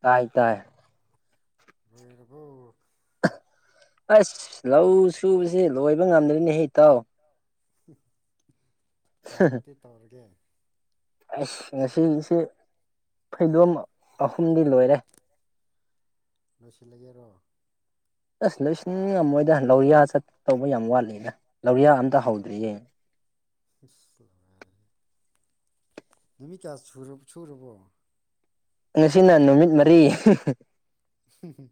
ꯇꯥꯏ ꯇꯥꯏ ꯑꯁ ꯂꯧ ꯁꯨꯕꯁꯦ ꯂꯣꯏꯕ ꯉꯝꯗ꯭ꯔꯅꯦ ꯍꯦꯛ ꯏꯇꯥꯎ ꯀꯃꯗꯤ ꯇꯧꯔꯒꯦ ꯑꯁ ꯉꯁꯤꯒꯤꯁꯤꯦ ꯐꯩꯗꯣꯝ ꯑꯍꯨꯝꯗꯤ ꯂꯣꯏꯔꯦ ꯂꯣꯏꯁꯤꯜꯂꯒꯦꯔꯣ ꯑꯁ ꯂꯣꯏꯁ ꯑꯃꯣꯏꯗ ꯂꯧꯔꯤꯌꯥ ꯆꯠꯇꯧꯕ ꯌꯥꯝ ꯋꯥꯠꯂꯤꯅꯦ ꯂꯧꯔꯤꯌꯥ ꯑꯝꯇ ꯍꯧꯗ꯭ꯔꯤꯌꯦ ꯅꯨꯃꯤꯠ ꯀꯌꯥ ꯁꯨꯔꯕꯣ ꯉꯁꯤꯅ ꯅꯨꯃꯤꯠ ꯃꯔꯤ ꯎ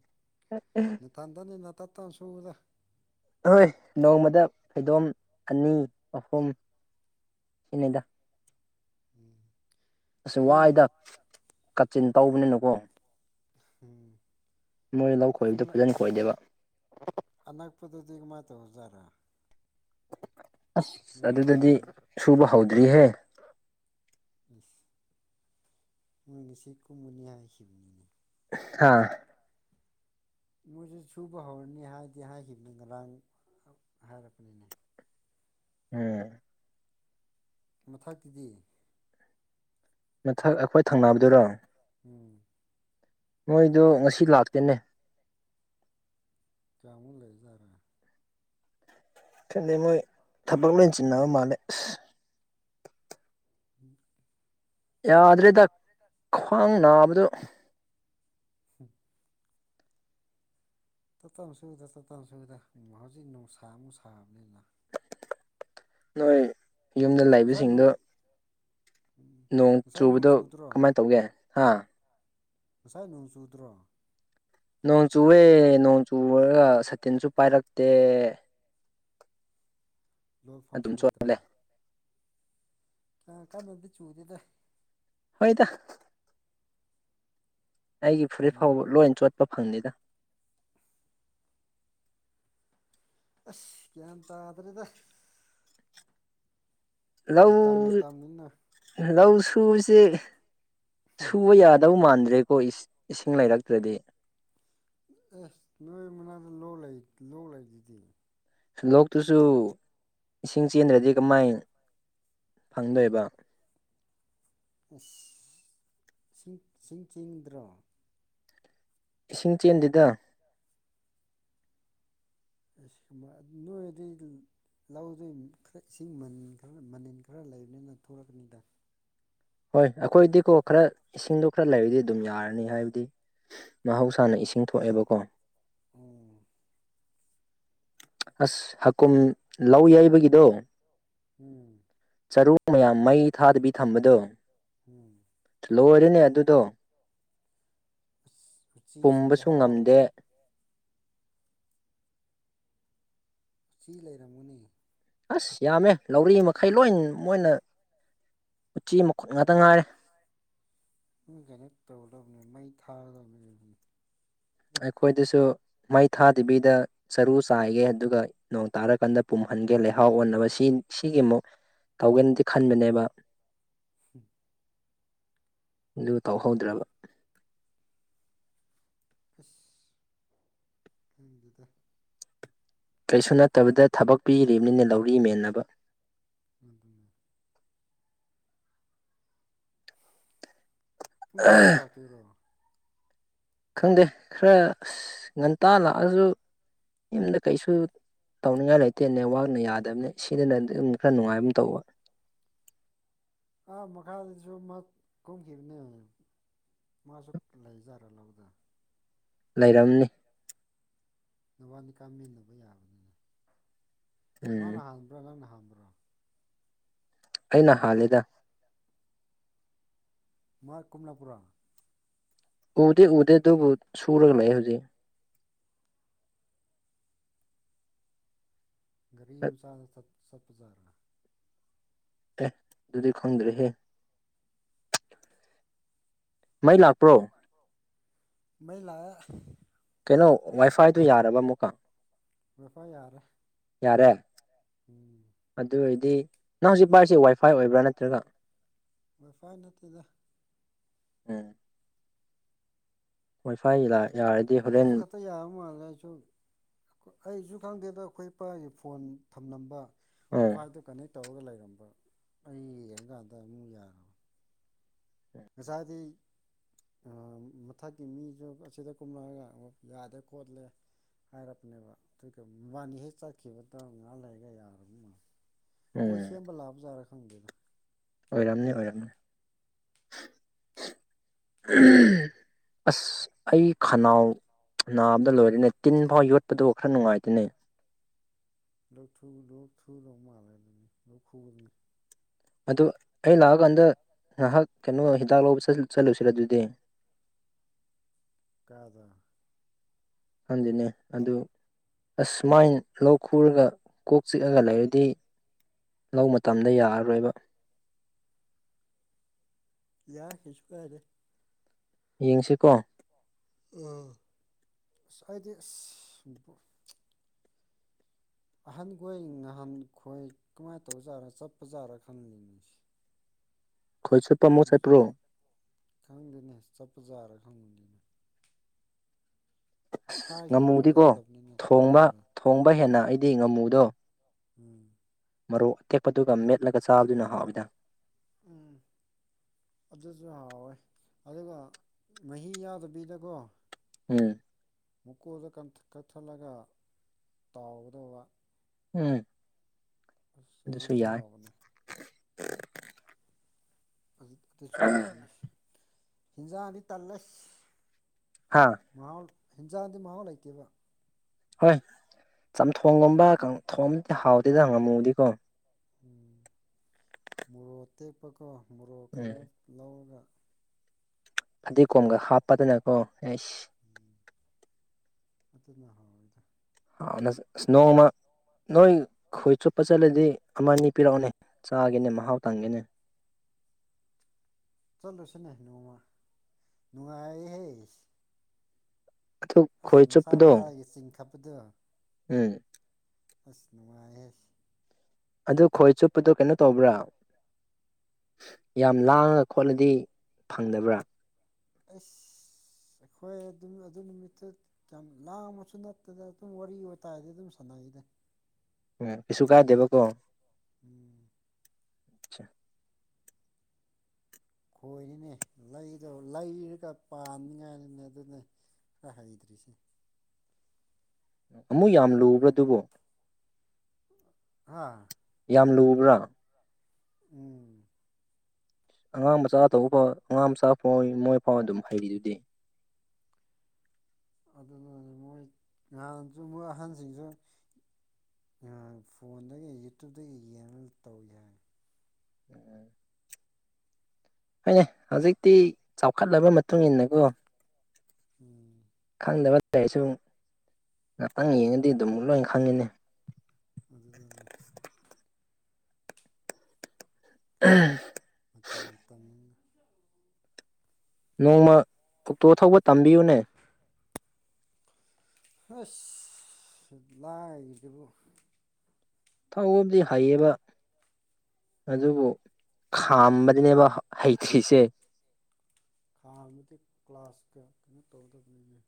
ꯅꯊꯟꯗꯅꯤꯅ ꯇ ꯇꯅ ꯁꯨꯗ ꯑꯍꯣꯏ ꯅꯣꯡꯃꯗ ꯐꯩꯗꯣꯝ ꯑꯅꯤ ꯑꯍꯨꯝ ꯁꯤꯅꯤꯩꯗ ꯎꯝ ꯑꯁꯤꯁ ꯅꯣꯏ ꯋꯥꯏꯗ ꯀꯥꯆꯤꯟ ꯇꯧꯕꯅꯤꯅꯀꯣ ꯎꯝ ꯃꯣꯏ ꯂꯧ ꯈꯣꯏꯕꯗꯣ ꯐꯖꯅ ꯈꯣꯏꯗꯦꯕ ꯑꯅꯛ ꯄꯇꯒ ꯃꯥ ꯇ ꯑꯣꯏꯖꯔ ꯑꯁ ꯅꯣꯏ ꯑꯗꯨꯗꯗꯤ ꯎꯝ ꯁꯨꯕ ꯍꯧꯗ꯭ꯔꯤꯍꯦ ꯏꯁ ꯎ ꯏꯁꯤ ꯀꯃꯅꯤ ꯍꯥꯏꯁꯈꯤꯕꯕꯅꯤꯅ ꯍꯥꯥ ꯃꯣꯏꯁꯨ ꯁꯨꯕ ꯍꯧꯔꯅꯤ ꯍꯥꯏꯗꯤ ꯍꯥꯏꯈꯤꯕꯅꯤ ꯉꯔꯥꯡ ꯍꯥꯏꯔꯛꯄꯅꯤꯅꯦ ꯎꯝ ꯃꯊꯛꯀꯤꯗꯤ ꯃꯊꯛ ꯑꯩꯈꯣꯏ ꯊꯪꯅꯕꯗꯨꯔꯣ ꯎꯝ ꯃꯣꯏꯗꯣ ꯉꯁꯤ ꯂꯥꯛꯇꯦꯅꯦ ꯀꯌꯥꯃꯨ ꯂꯩꯖꯔꯦ ꯈꯗꯩ ꯃꯣꯏ ꯊꯕꯛ ꯂꯦꯟ ꯆꯤꯟꯅꯕ ꯃꯥꯜꯂꯦ ꯑꯁ ꯎꯝ [unintelligible] ꯌꯥꯗ꯭ꯔꯦꯗ ꯈ꯭ꯋꯥꯡ ꯅꯥꯕꯗꯨꯣ ꯇꯞ ꯇꯞ ꯁꯨꯗ ꯇꯞꯠꯇꯞ ꯁꯨꯕꯗ ꯍꯧꯖꯤꯛ ꯅꯨꯡꯁꯥ ꯑꯃꯨ ꯁꯥꯕꯅꯤꯅ ꯅꯣꯏ ꯌꯨꯝꯗ ꯂꯩꯕꯁꯤꯡꯗꯣ ꯎꯝ ꯅꯣꯡ ꯉꯁꯥꯏ ꯅꯣꯡ ꯆꯨꯕꯗꯣ ꯆꯨꯗ꯭ꯔꯣ ꯀꯃꯥꯏꯅ ꯇꯧꯒꯦ ꯍꯥ ꯉꯁꯥꯏ ꯅꯣꯡ ꯆꯨꯗ꯭ꯔꯣ ꯅꯣꯡ ꯆꯨꯑꯦ ꯅꯣꯡ ꯆꯨꯨꯔꯒ ꯁꯇꯤꯟꯁꯨ ꯄꯥꯏꯔꯛꯇꯦ ꯂꯣꯟꯐꯝꯁꯨ ꯑꯗꯨꯝ ꯂꯩꯇ꯭ꯔꯦ ꯆꯣꯠꯂꯦ ꯀꯥꯟꯝꯗꯤ ꯆꯨꯗꯦꯗ ꯍꯣꯏꯗ ꯑꯩꯒꯤ ꯐꯨꯔꯤꯠ ꯅꯣꯡꯃ ꯐꯥꯎꯕ ꯂꯣꯏ ꯆꯣꯠꯄ ꯐꯪꯅꯤꯗ ꯑꯁ ꯒ꯭ꯌꯥꯟ ꯇꯥꯗ꯭ꯔꯦꯗ ꯃꯇꯝ ꯂꯧ ꯃꯇꯝꯅꯤꯅ ꯂꯧ ꯁꯨꯕꯁꯤ ꯁꯨꯕ ꯌꯥꯗꯧ ꯃꯥꯟꯗ꯭ꯔꯦꯀꯣ ꯏꯁꯤꯡ ꯂꯩꯔꯛꯇ꯭ꯔꯗꯤ ꯑꯦꯁ ꯅꯣꯏ ꯃꯅꯥꯗ ꯂꯣꯛ ꯂꯣꯛ ꯂꯩꯗꯨꯗꯤ ꯂꯣꯛꯇꯨꯁꯨ ꯏꯁꯤꯡ ꯆꯦꯟꯗ꯭ꯔꯗꯤ ꯀꯃꯥꯏ ꯐꯪꯗꯣꯏꯕ ꯑꯁ ꯏꯁꯤꯡ ꯁꯤꯡ ꯆꯤꯡꯗ꯭ꯔꯣ ꯏꯁꯤꯡ ꯆꯦꯟꯁꯤꯗ ꯁꯤ ꯀꯃ ꯑꯗꯨꯣꯗꯤ ꯂꯧꯗꯨ ꯈꯔ ꯏꯁꯤꯡ ꯃꯅꯤꯟ ꯈꯔ ꯃꯅꯤꯟ ꯈꯔ ꯂꯩꯕꯅꯤꯅ ꯊꯣꯛꯂꯛꯀꯅꯤꯗ ꯍꯣꯏ ꯑꯩꯈꯣꯏꯗꯤꯀꯣ ꯈꯔ ꯏꯁꯤꯡꯗꯣ ꯈꯔ ꯂꯩꯔꯗꯤ ꯑꯗꯨꯝ ꯌꯥꯔꯅꯤ ꯍꯥꯏꯕꯗꯤ ꯃꯍꯧꯁꯥꯅ ꯏꯁꯤꯡ ꯊꯣꯛꯑꯦꯕꯀꯣ ꯑꯣꯝ ꯑꯁ ꯍꯀꯨꯝ ꯂꯧ ꯌꯩꯕꯒꯤꯗꯣ ꯎꯝ ꯆꯔꯨ ꯃꯌꯥꯝ ꯃꯩ ꯊꯥꯗꯕꯤ ꯊꯝꯕꯗꯣ ꯎꯝ ꯂꯣꯏꯔꯤꯅꯦ ꯑꯗꯨꯗꯣ ꯑꯁ ꯎꯆꯤꯁꯤꯡꯁꯦ ꯄꯨꯝꯕꯁꯨ ꯉꯝꯗꯦ ꯍꯔꯥꯎꯔꯝꯃꯅꯤ ꯁꯤ ꯂꯩꯔꯝꯃꯨꯅꯦ ꯑꯁ ꯌꯥꯝꯃꯦ ꯂꯧꯔꯤ ꯃꯈꯩ ꯂꯣꯏ ꯃꯣꯏꯅ ꯎꯆꯤ ꯃꯈꯨꯠ ꯉꯥꯛꯇ ꯉꯥꯏꯔꯦ ꯀꯩꯅꯣ ꯇꯧꯒꯗꯕꯅꯦ ꯃꯩ ꯊꯥꯒꯗꯕꯅꯦꯕꯅꯤ ꯑꯩꯈꯣꯏꯗꯁꯨ ꯃꯩ ꯊꯥꯗꯕꯤꯗ ꯆꯔꯨ ꯆꯥꯏꯒꯦ ꯑꯗꯨꯒ ꯅꯣꯡ ꯇꯥꯔꯀꯥꯟꯗ ꯄꯨꯝꯍꯟꯒꯦ ꯂꯩꯍꯥꯎ ꯑꯣꯟꯅꯕ ꯁꯤ ꯁꯤꯒꯤ ꯑꯃꯨꯛ ꯇꯧꯒꯦꯅꯗꯤ ꯈꯟꯕꯅꯦꯕ ꯎꯝ [unintelligible] ꯑꯗꯨ ꯇꯧꯍꯧꯗ꯭ꯔꯕ ꯐꯁ ꯍꯦꯡꯗꯗ ꯀꯔꯤꯁꯨ ꯅꯠꯇꯕꯗ ꯊꯕꯛ ꯄꯤꯔꯤꯕꯅꯤꯅ ꯂꯧꯔꯤ ꯃꯦꯟꯅꯕ ꯉ ꯑꯗꯨ ꯄꯨꯡ ꯀꯌꯥꯗ ꯂꯥꯛꯇꯔꯣ ꯈꯪꯗꯦ ꯈꯔ ꯉꯟꯇꯥ ꯂꯥꯛꯑꯁꯨ ꯌꯨꯝꯗ ꯀꯩꯁꯨ ꯇꯧꯅꯤꯡꯉꯥꯏ ꯂꯩꯇꯦ ꯅꯦꯠꯋꯥꯛꯅ ꯌꯥꯗꯕꯅꯤ ꯁꯤꯗꯅ ꯑꯗꯨꯝ ꯈꯔ ꯅꯨꯡꯉꯥꯏꯕ ꯑꯃ ꯇꯧꯕ ꯑꯥ ꯃꯈꯥꯗꯁꯨ ꯀꯨꯝꯈꯤꯕꯅꯦ ꯍꯧ ꯃꯥꯁꯨ ꯂꯩꯖꯔ ꯂꯧꯗ ꯂꯩꯔꯝꯅꯤ ꯅꯋꯥꯅꯤꯀꯥ ꯃꯦꯟꯅꯕ ꯌꯥꯕꯅꯤꯅ ꯃꯥꯅ ꯎꯝ ꯍꯥꯟꯕ꯭ꯔꯥ ꯅꯪꯅ ꯍꯥꯟꯕ꯭ꯔꯥ ꯑꯩꯅ ꯍꯂꯦꯗ ꯃꯥꯣꯏ ꯀꯃꯂꯄꯨꯔꯥ ꯎꯗꯦ ꯎꯗꯦ ꯑꯗꯨꯕꯨ ꯁꯨꯔꯒ ꯂꯩ ꯍꯧꯖꯤꯛ ꯒꯔꯤꯁꯥꯗ ꯁ ꯁꯠ ꯍꯖꯥꯔꯥ ꯑꯦ ꯑꯗꯨꯗꯤ ꯈꯪꯗ꯭ꯔꯦꯍꯦ ꯃꯩ ꯂꯥꯛꯄ꯭ꯔꯣ ꯃꯩꯂꯥꯛ ꯑꯦ ꯀꯩꯅꯣ ꯋꯥꯏ ꯐꯥꯏ ꯑꯗꯨ ꯌꯥꯔꯕ ꯑꯃꯨꯛꯀ ꯋꯥꯏꯐꯥꯏ ꯌꯥꯔꯦ ꯌꯥꯔꯦ ꯎꯝ ꯑꯗꯨ ꯑꯣꯏꯗꯤ ꯅꯪ ꯍꯧꯖꯤꯛ ꯄꯥꯔꯤꯁꯤ ꯋꯥꯏꯐꯥꯏ ꯑꯣꯏꯕ꯭ꯔꯥ ꯅꯠꯇ꯭ꯔꯒ ꯃꯐꯥꯏ ꯅꯠꯇꯦꯗ ꯋꯥꯏꯐꯥ ꯏꯔꯥ ꯌꯥꯔꯗꯤ ꯍꯣꯔꯦꯟ ꯍꯧꯖꯤꯛ ꯇꯥ ꯌꯥꯕ ꯃꯥꯜꯂꯦ ꯑꯩꯁꯨ ꯑꯩꯁꯨ ꯈꯪꯗꯦꯗ ꯑꯩꯈꯣꯏ ꯏꯄꯥꯒꯤ ꯐꯣꯟ ꯊꯝꯂꯝꯕ ꯎꯝ ꯋꯥꯏꯐꯥꯏꯗꯨ ꯀꯅꯦꯛ ꯇꯧꯔꯒ ꯂꯩꯔꯝꯕ ꯑꯩ ꯌꯦꯡꯉꯀꯥꯟꯗ ꯑꯃꯨꯛ ꯌꯥꯔꯕ ꯉꯁꯥꯏꯗꯤ ꯑꯥ ꯃꯊꯛꯀꯤ ꯃꯤꯖꯨ ꯑꯁꯤꯗ ꯀꯨꯝꯂꯛꯑꯒ ꯑꯃꯨꯛ ꯌꯥꯗꯦ ꯈꯣꯠꯂꯦ ꯍꯥꯏꯔꯛꯄꯅꯦꯕ ꯑꯗꯨꯒ ꯃꯕꯥꯅꯤ ꯍꯦꯛ ꯆꯠꯈꯤꯕꯗꯣ ꯉꯥꯏꯍꯥꯛ ꯂꯩꯔꯒ ꯌꯥꯔꯕ ꯃꯥꯜꯂꯦ ꯃꯣꯏ ꯎꯝ ꯁꯦꯝꯕ ꯂꯥꯛꯄ ꯖꯥꯔꯥ ꯈꯪꯗꯦꯗ ꯑꯣꯏꯔꯝꯅꯤ ꯑꯣꯏꯔꯝꯅꯤ [inaudible] ꯎꯝ ꯑꯁ ꯑꯩ ꯈꯅꯥꯎ ꯅꯥꯕꯗ ꯂꯣꯏꯔꯦꯅꯦ ꯇꯤꯟ ꯐꯥꯎ ꯌꯣꯠꯄꯗꯨ ꯈꯔ ꯅꯨꯡꯉꯥꯏꯇꯦꯅꯦ ꯂꯣꯛ ꯊꯨꯕ ꯂꯣꯛ ꯊꯨꯗꯧ ꯃꯥꯜꯂꯦ ꯑꯗꯨꯅꯤ ꯂꯣꯛ ꯈꯨꯕꯒꯤ ꯑꯗꯨ ꯑꯩ ꯂꯥꯛꯑꯀꯥꯟꯗ ꯉꯍꯥꯛ ꯀꯩꯅꯣ ꯍꯤꯗꯥꯛ ꯂꯧꯕ ꯆꯠꯂꯨꯁꯤꯔꯥ ꯑꯗꯨꯗꯤ ꯀꯥꯏꯗ ꯈꯪꯗꯦꯅꯦ ꯑꯗꯨ ꯑꯁ ꯁꯨꯃꯥꯏꯅ ꯂꯧ ꯈꯨꯔꯒ ꯀꯣꯛ ꯆꯤꯛꯑꯒ ꯂꯩꯔꯗꯤ ꯂꯧ ꯃꯥꯇꯝꯗ ꯌꯥꯔꯔꯣꯏꯕ ꯌꯥꯏ ꯀꯩꯁꯨ ꯀꯥꯏꯗꯦ ꯌꯦꯡꯁꯤꯀꯣ ꯑꯥ ꯑꯩꯗꯤ ꯑꯁ ꯑꯍꯟꯈꯣꯏ ꯅꯍꯥꯟꯈꯣꯏ ꯀꯃꯥꯏꯅ ꯇꯧꯕꯖꯥꯠꯔ ꯆꯠꯄꯖꯥꯠꯔꯥ ꯈꯪꯗꯦꯅꯦ ꯈꯣꯏ ꯆꯨꯞꯄ ꯑꯃꯨꯛ ꯆꯠꯄ꯭ꯔꯣ ꯈꯪꯗꯦꯅꯦ ꯆꯞꯄ ꯖꯥꯔ ꯈꯪꯉꯣꯏꯅꯦ ꯑꯁ ꯏꯁꯥꯒꯤ ꯈꯣꯏ ꯉꯥꯃꯨꯗꯤꯀꯣ ꯌꯥꯎꯗꯕꯅꯤꯅ ꯊꯣꯡꯕ ꯇꯟꯕ ꯊꯣꯡꯕ ꯍꯦꯟꯅ ꯑꯩꯗꯤ ꯉꯥꯃꯨꯗꯣ ꯎꯝ ꯃꯔꯣꯛ ꯑꯇꯦꯛꯄꯗꯨꯒ ꯃꯦꯠꯂꯒ ꯆꯥꯕꯗꯨꯅ ꯍꯥꯎꯋꯤꯗ ꯎꯝ ꯑꯗꯨꯖꯨ ꯍꯥꯎꯋꯦ ꯑꯗꯨꯒ ꯃꯍꯤ ꯌꯥꯗꯕꯤꯗꯀꯣ ꯎꯝ ꯃꯨꯀꯣꯗꯣ ꯀꯟꯊꯛ ꯀꯛꯊꯠꯂꯒ ꯇꯥꯎꯒꯗꯧꯕ ꯎꯝ ꯑꯁ ꯑꯗꯨꯁꯨ ꯑꯖꯨꯁꯨ ꯌꯥꯏ ꯍꯥꯎꯕꯅꯦ ꯍꯧꯖꯤꯛꯇꯥꯁꯨ ꯍꯥꯎꯕꯅꯦ ꯍꯤꯟꯖꯥꯡꯗꯤ ꯇꯜꯂꯦ ꯍꯥꯥ ꯃꯍꯥꯎ ꯍꯤꯟꯖꯥꯡꯗꯤ ꯃꯍꯥꯎ ꯂꯩꯇꯦꯕ ꯍꯣꯏ ꯆꯝꯊꯣꯡ ꯒꯨꯝꯕ ꯀꯥꯡ ꯊꯣꯡꯉꯝꯗꯤ ꯍꯥꯎꯗꯦꯗ ꯉꯝꯃꯨꯗꯤꯀꯣ ꯎꯝ ꯃꯣꯔꯣꯛ ꯇꯦꯛꯄꯀꯣ ꯃꯣꯔꯣꯛ ꯎꯝ ꯀꯩꯅꯣ ꯂꯧꯔꯒ ꯐꯗꯤ ꯀꯣꯝꯒ ꯍꯥꯞꯄꯗꯅꯀꯣ ꯑꯦꯁ ꯎꯝ ꯑꯗꯨꯅ ꯍꯥꯎꯋꯦꯗ ꯍꯥꯎꯋꯦ ꯅꯁꯨ ꯅꯣꯡꯃ ꯅꯣꯏ ꯈꯣꯏ ꯆꯨꯞꯄ ꯆꯠꯂꯗꯤ ꯑꯃ ꯑꯅꯤ ꯄꯤꯔꯛꯑꯣꯅꯦ ꯆꯥꯒꯦꯅꯦ ꯃꯍꯥꯎ ꯇꯪꯒꯦꯅꯦ ꯆꯠꯂꯨꯁꯤꯅꯦ ꯅꯣꯡꯃ ꯅꯨꯡꯉꯥꯏ ꯍꯦ ꯑꯗꯨ ꯑꯁ ꯈꯣꯏ ꯃꯁꯥ ꯆꯨꯞꯄꯗꯣ ꯃꯁꯥꯒꯤ ꯆꯤꯡ ꯈꯞꯄꯗꯣ ꯎꯝ ꯑꯁ ꯅꯨꯡꯉꯥꯏꯍꯦ ꯑꯗꯨ ꯈꯣꯏ ꯆꯣꯞꯄꯗꯨ ꯀꯩꯅꯣ ꯇꯧꯕ꯭ꯔꯥ ꯌꯥꯝ ꯂꯥꯡꯉ ꯈꯣꯠꯂꯗꯤ ꯐꯪꯗꯕ꯭ꯔꯥ ꯑꯁ ꯑꯩꯈꯣꯏ ꯑꯗꯨꯝ ꯑꯗꯨ ꯅꯨꯃꯤꯠꯇꯨ ꯌꯥꯝ ꯂꯥꯡꯕꯁꯨ ꯅꯠꯇꯦꯗ ꯑꯗꯨꯝ ꯋꯥꯔꯤ ꯋꯥꯇꯥꯏꯗꯤ ꯑꯗꯨꯝ ꯁꯥꯟꯅꯩꯗ ꯎꯝ ꯀꯩꯁꯨ ꯀꯥꯗꯦꯕꯀꯣ꯫ ꯎꯝ ꯈꯣꯏꯔꯤꯅꯦ ꯂꯩꯗꯣ ꯂꯩꯔꯒ ꯄꯥꯟꯅꯤꯉꯥꯏꯅꯤꯅꯦ ꯑꯗꯨꯅꯦ꯫ [unintelligible] ꯍꯩꯗ꯫ꯔꯤꯁꯤ꯫ ꯑꯃꯨꯛ ꯌꯥꯝ ꯂꯨꯕ꯭ꯔꯥ ꯑꯗꯨꯕꯣ ꯍꯥꯥ ꯌꯥꯝ ꯂꯨꯕ꯭ꯔꯥ ꯎꯝ ꯑꯉꯥꯡ ꯃꯆꯥ ꯇꯧꯕ ꯐꯥꯎ ꯑꯉꯥꯡ ꯃꯆꯥ ꯐꯥꯎ ꯃꯣꯏ ꯐꯥꯎ ꯑꯗꯨꯝ ꯍꯩꯔꯤꯗꯨꯗꯤ꯫ ꯑꯗꯨꯅꯅꯤ ꯃꯣꯏ ꯉꯍꯥꯟꯁꯨ ꯃꯣꯏ ꯑꯍꯟꯖꯤꯡꯖꯦ ꯎꯝ ꯐꯣꯟꯗꯒꯤ ꯌꯨꯇ꯭ꯌꯨꯕꯇꯒꯤ ꯌꯦꯡꯉꯒ ꯇꯧꯏ ꯍꯦ ꯎꯝ ꯍꯣꯏꯅꯦ ꯍꯧꯖꯤꯛꯇꯤ ꯆꯥꯎꯈꯠꯂꯕ ꯃꯇꯨꯡ ꯏꯟꯅꯀꯣ ꯎꯝ꯫ ꯈꯪꯗꯕ ꯂꯩꯔꯁꯨꯨ ꯉꯥꯛꯇꯪ ꯌꯦꯡꯉꯗꯤ ꯑꯗꯨꯝ ꯂꯣꯏꯅ ꯈꯪꯏꯅꯦ ꯑꯗꯨꯗꯅꯤ [unintelligible] ꯃꯇꯝ ꯃꯇꯝ ꯅꯣꯡꯃ ꯑꯣꯛꯇꯣ ꯊꯧꯕ ꯇꯝꯕꯤꯌꯨꯅꯦ ꯑꯁ ꯂꯥꯏꯗꯕꯨ ꯊꯧꯕꯗꯤ ꯍꯩꯌꯦꯕ ꯑꯗꯨꯕꯨ ꯈꯥꯝꯕꯗꯤꯅꯦꯕ ꯍꯩꯊ꯭ꯔꯤꯁꯦ ꯍꯥꯟꯅꯗꯤ ꯀ꯭ꯂꯥꯁꯀ ꯀꯩꯅꯣ ꯇꯧꯗꯕꯅꯤꯅꯦ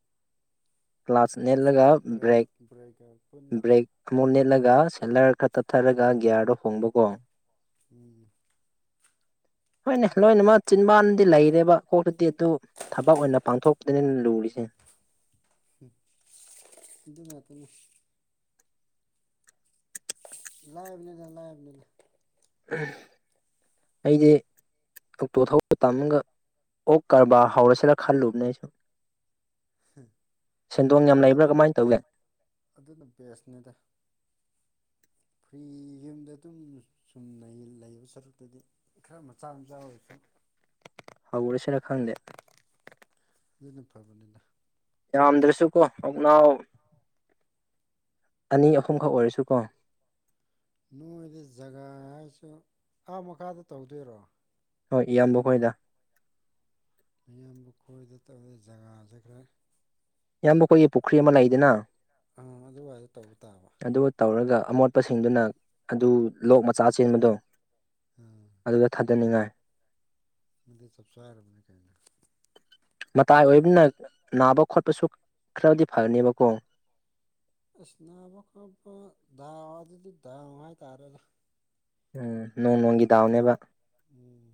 ꯀ꯭ꯂꯥꯁ ꯅꯦꯠꯂꯒ ꯀ꯭ꯂꯥꯁꯀ ꯕ꯭ꯔꯦꯛ ꯕ꯭ꯔꯦꯛꯀ ꯄꯨꯟꯅ ꯕ꯭ꯔꯦꯛ ꯑꯃꯨꯛ ꯅꯦꯠꯂꯒ ꯁꯦꯂꯔ ꯈꯔ ꯇꯞꯊꯔꯒ ꯒꯤꯌꯥꯔꯗꯣ ꯍꯣꯡꯕꯀꯣ꯫ ꯎꯝ ꯍꯣꯏꯅꯦ ꯂꯣꯏꯅꯃꯛ ꯆꯤꯟꯕꯥꯟꯗꯤ ꯂꯩꯔꯦꯕ ꯀꯣꯛꯇꯗꯤ ꯑꯗꯨ ꯊꯕꯛ ꯑꯣꯏꯅ ꯄꯥꯡꯊꯣꯛꯄꯗꯅꯤ ꯂꯨꯔꯤꯁꯦ꯫ ꯎꯝ ꯑꯗꯨ ꯉꯥꯛꯇꯅꯤ ꯂꯥꯏꯕꯅꯤꯗ ꯂꯥꯏꯕꯅꯤꯗ꯫ ꯑꯩꯗꯤ ꯇꯝꯒ ꯑꯣꯛ ꯀꯔꯕꯥꯔ ꯍꯧꯔꯁꯤꯔꯥ ꯈꯜꯂꯨꯕꯅꯦ ꯑꯩꯁꯨ꯫ ꯁꯦꯟꯗꯣꯡ ꯌꯥꯝ ꯇꯧꯔ ꯂꯩꯕ꯭ꯔꯥ ꯑꯗꯨꯝ ꯀꯃꯥꯏꯅ ꯇꯧꯏ ꯑꯗꯨꯅ ꯕꯦꯁꯅꯦꯠ꯫ ꯐ꯭ꯔꯤ ꯌꯨꯝꯗ ꯑꯗꯨꯝ ꯁꯨꯝꯅ ꯂꯩꯕ ꯁꯔꯨꯛꯇꯗꯤ ꯈꯔ ꯃꯆꯥ ꯃꯆꯥ ꯑꯣꯏꯔꯁꯨ ꯍꯧꯔꯁꯤꯔ ꯈꯪꯗꯦ꯫ ꯃꯤꯗꯤ ꯐꯥꯕꯅꯤꯗ ꯌꯥꯝꯗ꯭ꯔꯁꯨ ꯀꯣ ꯑꯣꯛꯅꯥꯎ ꯑꯅꯤ ꯑꯍꯨꯝꯈꯛ ꯑꯣꯏꯔꯁꯨ ꯀꯣ ꯅꯣꯏꯗꯤ ꯖꯒꯥ ꯍꯥꯏꯁꯨ ꯑꯥ ꯃꯈꯥꯗ ꯇꯧꯗꯣꯏꯔꯣ ꯍꯣꯏ ꯏꯌꯥꯝꯕ ꯈꯣꯏꯗ ꯃꯌꯥꯝꯕꯨ ꯈꯣꯏꯗ ꯇꯧꯋꯦ ꯖꯒꯥꯖꯦ ꯈꯔ ꯏꯌꯥꯝꯕ ꯑꯩꯈꯣꯏꯒꯤ ꯄꯨꯈ꯭ꯔꯤ ꯑꯃ ꯂꯩꯗꯅ ꯑꯥ ꯑꯗꯨꯋꯥꯏꯗ ꯇꯧꯕ ꯇꯥꯕ ꯑꯗꯨ ꯇꯧꯔꯒ ꯑꯃꯣꯠꯄꯁꯤꯡꯗꯨꯅ ꯑꯗꯨ ꯂꯣꯛ ꯃꯆꯥ ꯆꯦꯟꯕꯗꯣ ꯑꯝ ꯑꯗꯨꯒ ꯊꯥꯗꯅꯤꯡꯉꯥꯏ ꯃꯗꯤ ꯆꯞ ꯆꯥꯔꯕꯅꯦ ꯀꯩꯅꯣ꯫ ꯃꯇꯥꯏ ꯑꯣꯏꯕꯅ ꯅꯥꯕ ꯈꯣꯠꯄꯁꯨ ꯈꯔꯗꯤ ꯐꯅꯦꯕꯀꯣ꯫ ꯑꯁ ꯅꯥꯕ ꯈꯣꯠꯄ ꯗꯥꯎ ꯑꯗꯨꯗꯤ ꯗꯥꯎ ꯍꯥꯏꯇꯥꯔꯦꯅꯦ ꯎꯝ ꯅꯣꯡ ꯅꯣꯡꯒꯤ ꯗꯥꯎꯅꯦꯕ ꯎꯝ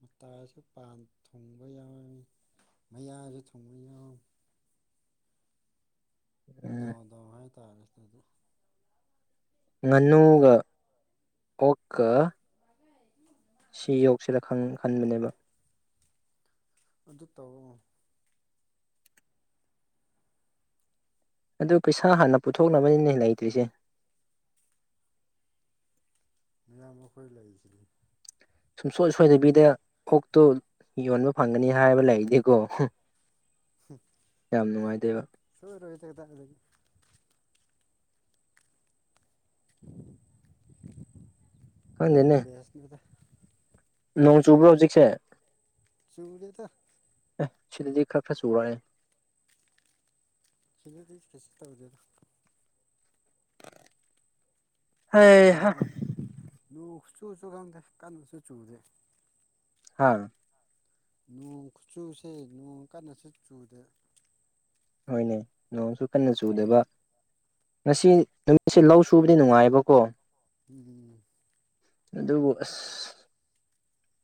ꯃꯇꯥꯁꯨ ꯄꯥꯟ ꯊꯣꯡꯕ ꯌꯥꯎꯔꯝꯃꯤ ꯃꯌꯥꯁꯨ ꯊꯣꯡꯕ ꯌꯥꯎꯔꯝꯃꯤ ꯎꯝ ꯗꯥꯎ ꯗꯥꯎ ꯍꯥꯏꯇꯥꯔꯦ ꯑꯗꯨꯗꯤ ꯉꯥꯅꯨꯒ ꯑꯣꯛꯀ ꯄꯒ ꯍꯥꯏ ꯁꯤ ꯌꯧꯁꯤꯜꯂ ꯈꯟꯕꯅꯦꯕ ꯑꯗꯨ ꯇꯧꯑꯣ꯫ ꯑꯗꯨ ꯄꯩꯁꯥ ꯍꯥꯟꯅ ꯄꯨꯊꯣꯛꯅꯕꯅꯤꯅꯦ ꯂꯩꯇ꯭ꯔꯤꯁꯦ ꯃꯌꯥꯝ ꯑꯩꯈꯣꯏ ꯂꯩꯁꯤꯅꯤ ꯁꯨꯡꯁꯣꯏ ꯁꯣꯏꯗꯕꯤꯗ ꯑꯣꯛꯇꯣ ꯌꯣꯟꯕ ꯐꯪꯒꯅꯤ ꯍꯥꯏꯕ ꯂꯩꯔꯗꯤꯀꯣ ꯌꯥꯝ ꯅꯨꯡꯉꯥꯏꯇꯦꯕ ꯁꯣꯏ ꯔꯣꯍꯤ ꯆꯦꯗ ꯑꯗꯨꯗꯒꯤ [unintelligible] ꯈꯪꯗꯦꯅꯦ ꯑꯗꯨꯄꯦꯁꯅꯤꯗ ꯅꯣꯡ ꯆꯨꯕ꯭ꯔꯣ ꯍꯧꯖꯤꯛꯁꯦ ꯆꯨꯂꯦꯗ ꯑꯦ ꯁꯤꯗꯤꯗꯤ ꯈꯔ ꯈꯔꯁꯨꯨꯔꯑꯦ ꯁꯤꯗꯗꯤ ꯀꯩꯁꯨ ꯇꯧꯗꯦꯔꯥ ꯍꯩꯍꯥ ꯨ ꯆꯨꯁꯨ ꯈꯪꯗꯦ ꯀꯟꯅꯁꯨ ꯆꯨꯗꯦ ꯍꯥꯥ ꯅꯣꯡ ꯆꯨꯁꯦ ꯅꯣꯡ ꯀꯟꯅꯁꯨ ꯆꯨꯗꯦ ꯅꯣꯏꯅꯦ ꯅꯣꯡꯁꯨ ꯀꯟꯅ ꯆꯨꯗꯕ ꯉꯁꯤ ꯅꯨꯃꯤꯠꯁꯦ ꯂꯧ ꯁꯨꯕꯗꯤ ꯅꯨꯡꯉꯥꯏꯑꯕꯀꯣ ꯎꯝ꯫ ꯑꯗꯨꯕꯨ ꯑꯁ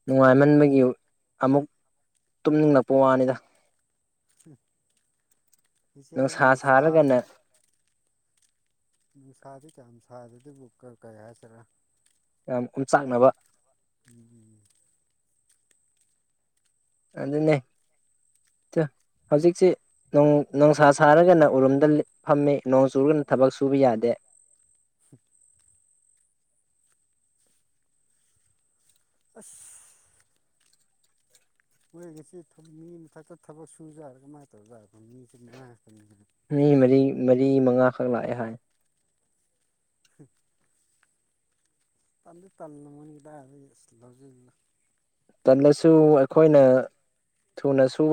ꯅꯨꯡꯉꯥꯏꯃꯟꯕꯒꯤ ꯑꯃꯨꯛ ꯇꯨꯝꯅꯤꯡꯂꯛꯄ ꯋꯥꯅꯤꯗ꯫ [unintelligible] ꯅꯨꯡꯁꯥ ꯅꯨꯡꯁꯥꯗꯤ ꯀꯌꯥꯝ ꯁꯥꯗꯦ ꯑꯗꯨꯕꯨ ꯀꯔꯤ ꯍꯥꯏꯁꯤꯔ ꯌꯥꯝ ꯌꯝꯆꯥꯛꯅꯕ ꯎ ꯑꯗꯨꯅꯦ ꯍꯧꯖꯤꯛꯁꯤ ꯅꯨꯡꯁꯥ ꯁꯥꯔꯒꯅ ꯎꯔꯨꯝꯗ ꯐꯝꯃꯤ ꯅꯣꯡ ꯆꯨꯔꯒꯅ ꯊꯕꯛ ꯁꯨꯕ ꯌꯥꯗꯦ꯫ ꯑꯁ ꯃꯣꯏ ꯉꯁꯤ ꯃꯤ ꯃꯊꯛꯇ ꯊꯕꯛ ꯁꯨ ꯖꯥꯠꯂ ꯀꯃꯥꯥꯏ ꯇꯧꯔꯤ ꯖꯥꯅꯣ ꯃꯤꯖꯦ ꯃꯉꯥ ꯈꯛꯇꯅꯤꯅ꯫ ꯃꯤ ꯃꯔꯤ ꯃꯔꯤ ꯃꯉꯥꯈꯛ ꯂꯥꯛꯑꯦ ꯍꯥꯏ ꯍ ꯇꯥꯟꯗꯤ ꯇꯜ ꯃꯟꯒꯤꯗꯔꯗꯤ ꯑꯁ ꯂꯧꯁꯤꯂꯣ ꯇꯜꯂꯁꯨ ꯑꯩꯈꯣꯏꯅ ꯊꯨꯅꯁꯨ